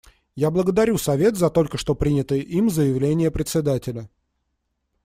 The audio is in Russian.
Я благодарю Совет за только что принятое им заявление Председателя.